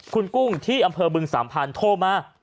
คุณกุ้งที่อำเภอบึงสามพันธ์โทรมา